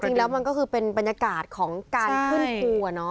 จริงแล้วมันก็คือเป็นบรรยากาศของการขึ้นภู